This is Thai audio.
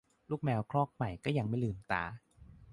ลูกแมวครอกใหม่ก็ยังไม่ลืมตา